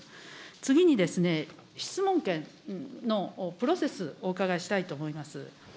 次に、質問権のプロセス、お伺いしたいと思います。